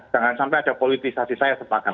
jangan sampai ada politisasi saya sepakat